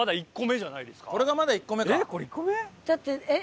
これがまだ１個目か？